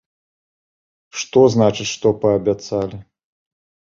Што значыць, што паабяцалі?